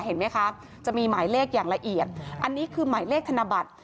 เห็นไหมคะจะมีหมายเลขอย่างละเอียดอันนี้คือหมายเลขธนบัตร